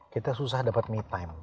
kita susah dapat me time